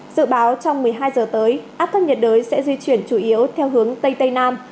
dự báo trong một mươi hai giờ tới áp thấp nhiệt đới sẽ di chuyển chủ yếu theo hướng tây tây nam